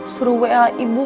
suruh wai bu